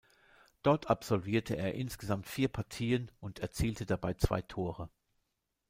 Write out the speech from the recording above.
Dort absolvierte er insgesamt vier Partien und erzielte dabei zwei Tore.